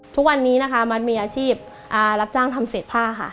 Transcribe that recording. ทุกวันนี้มัดหมายอาชีพรับจ้างทำเสร็จผ้าค่ะ